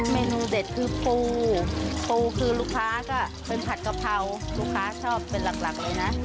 เมนูเด็ดคือปูปูคือลูกค้าก็เป็นผัดกะเพราลูกค้าชอบเป็นหลักเลยนะ